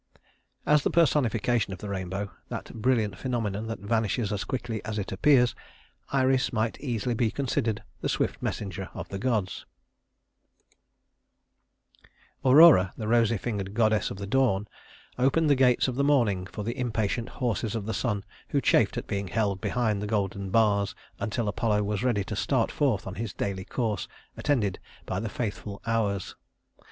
As the personification of the rainbow that brilliant phenomenon that vanishes as quickly as it appears Iris might easily be considered the swift messenger of the gods. [Illustration: Aurora] Aurora, rosy fingered goddess of the dawn, opened the gates of the morning for the impatient horses of the sun, who chafed at being held behind the golden bars until Apollo was ready to start forth on his daily course, attended by the faithful Hours.